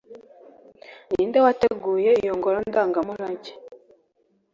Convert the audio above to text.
ninde wateguye iyo ngoro ndangamurage